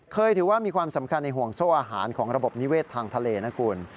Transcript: ถือว่ามีความสำคัญในห่วงโซ่อาหารของระบบนิเวศทางทะเลนะคุณ